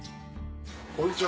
こんにちは。